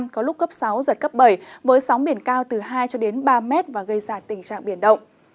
có lúc cấp sáu giật cấp bảy với sóng biển cao từ hai cho đến ba mét và gây sạt tình trạng biển động